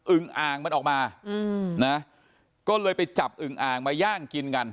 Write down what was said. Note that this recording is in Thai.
อ่างมันออกมาอืมนะก็เลยไปจับอึงอ่างมาย่างกินกัน